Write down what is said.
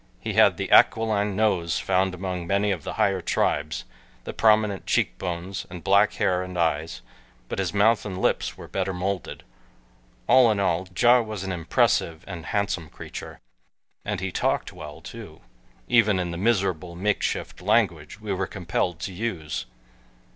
He had the aquiline nose found among many of the higher tribes, the prominent cheek bones, and black hair and eyes, but his mouth and lips were better molded. All in all, Ja was an impressive and handsome creature, and he talked well too, even in the miserable makeshift language we were compelled to use.